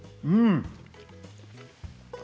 うん。